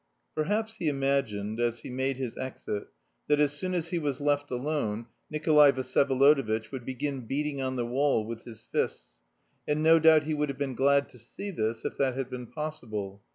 IV Perhaps he imagined, as he made his exit, that as soon as he was left alone, Nikolay Vsyevolodovitch would begin beating on the wall with his fists, and no doubt he would have been glad to see this, if that had been possible.